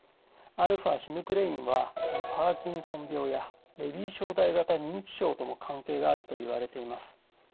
αシヌクレインはパーキンソン病やレビー小体型認知症とも関係があるといわれています。